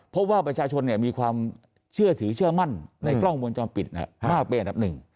เพราะว่าประชาชนมีความเชื่อถือเชื่อมั่นในกล้องวงจรปิดมากเป็นอันดับหนึ่ง